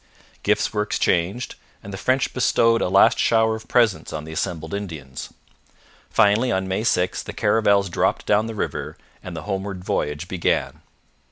Gifts were exchanged, and the French bestowed a last shower of presents on the assembled Indians. Finally, on May 6, the caravels dropped down the river, and the homeward voyage began.